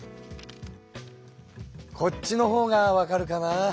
こっちのほうがわかるかな？